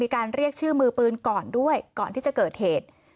การเรียกชื่อมือปืนก่อนด้วยก่อนที่จะเกิดเหตุ